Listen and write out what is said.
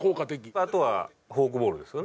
あとはフォークボールですよね。